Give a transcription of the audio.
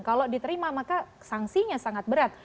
kalau diterima maka sanksinya sangat berat